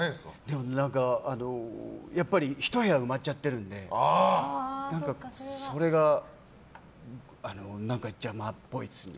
でも、やっぱり１部屋、埋まっちゃってるのでそれが何か邪魔っぽいですね。